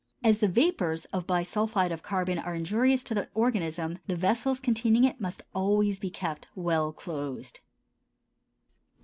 As the vapors of bisulphide of carbon are injurious to the organism, the vessels containing it must always be kept well closed.